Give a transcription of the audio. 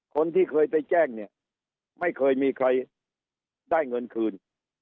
คนที่เคยไปแจ้งเนี่ยไม่เคยมีใครได้เงินคืน